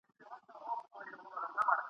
انسان په طبیعت کي آزاد خلق سوی دی !.